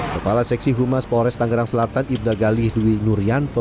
kepala seksi humas forestanggerang selatan ibnagali hwi nurianto